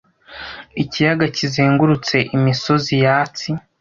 Ikiyaga kizengurutse imisozi yatsi.